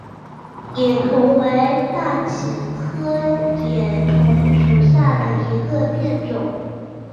野桐为大戟科野桐属下的一个变种。